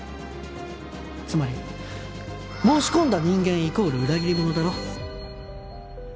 つまり申し込んだ人間イコール裏切り者だろ。